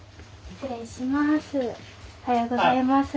おはようございます。